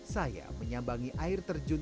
saya menyambangi air terjun